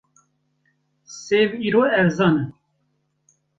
Sêv îro erzan in.